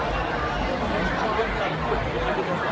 การรับความรักมันเป็นอย่างไร